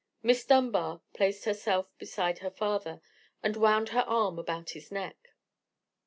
Miss Dunbar placed herself beside her father, and wound her arm about his neck.